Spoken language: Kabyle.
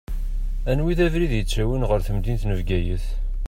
Anwa i d abrid ittawin ɣer temdint n Bgayet?